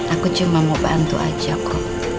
aku cuma mau bantu aja kok